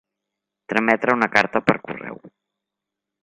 Trametre una carta per correu.